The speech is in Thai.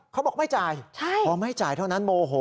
เขาบอกไม่จ่ายพอไม่จ่ายเท่านั้นโมโห